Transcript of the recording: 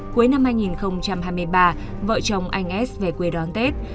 cuối năm hai nghìn hai mươi ba vợ chồng anh s về quê đón tết